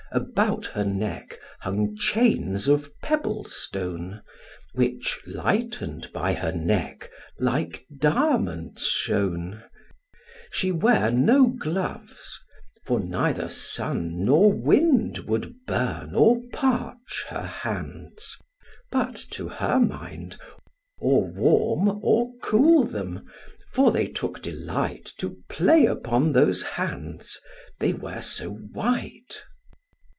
About her neck hung chains of pebble stone, Which, lighten'd by her neck, like diamonds shone. She ware no gloves; for neither sun nor wind Would burn or parch her hands, but, to her mind, Or warm or cool them, for they took delight To play upon those hands, they were so white.